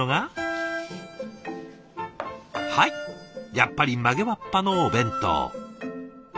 やっぱり曲げわっぱのお弁当。